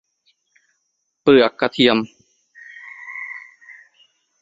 เปลือกกระเทียม